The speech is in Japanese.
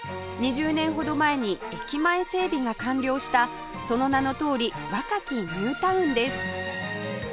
２０年ほど前に駅前整備が完了したその名のとおり若きニュータウンです